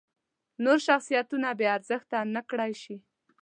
نور شخصیتونه بې ارزښته نکړای شي.